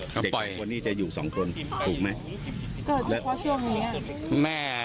ก็ปล่อยคนนี้จะอยู่สองคนถูกไหมก็เฉพาะช่วงเนี้ยแม่